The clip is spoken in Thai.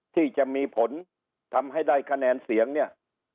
ที่จะมีผลทำให้ได้คะแนนเสียงเนี่ย